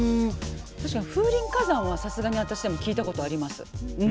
確かに「風林火山」はさすがに私でも聞いたことあります。